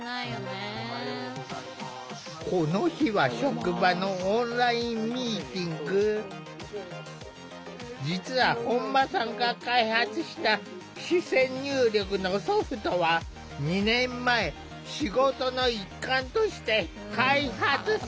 この日は実は本間さんが開発した視線入力のソフトは２年前仕事の一環として開発されたもの。